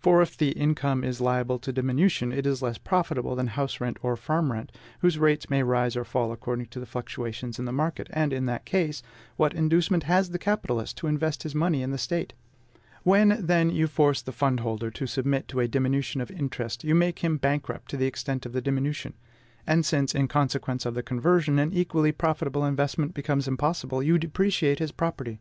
For, if the income is liable to diminution, it is less profitable than house rent or farm rent, whose rates may rise or fall according to the fluctuations in the market; and in that case, what inducement has the capitalist to invest his money in the State? When, then, you force the fund holder to submit to a diminution of interest, you make him bankrupt to the extent of the diminution; and since, in consequence of the conversion, an equally profitable investment becomes impossible, you depreciate his property.